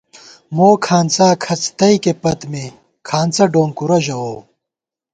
موکھانڅا کھڅ تئیکےپت مے، کھانڅہ ڈونکُورہ ژَووؤ